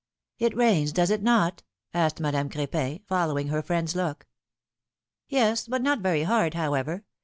^^It rains, does it not?" asked Madame Cr^pin, follow ing her friend's look. Yes; but not very hard, however.